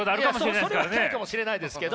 それはないかもしれないですけど！